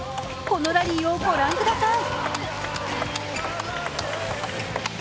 このラリーを御覧ください。